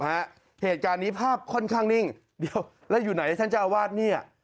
เหตุการณ์นี้ภาพค่อนข้างนิ่งเดี๋ยวแล้วอยู่ไหนท่านเจ้าวาดเนี่ย